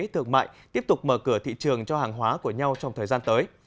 thương mại tiếp tục mở cửa thị trường cho hàng hóa của nhau trong thời gian tới